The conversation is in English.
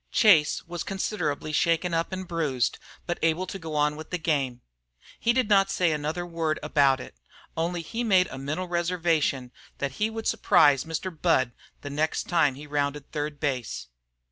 Chase was considerably shaken up and bruised, but able to go on with the game. He did not say another word about it, only he made a mental reservation that he would surprise Mr. Budd the next time he rounded third base.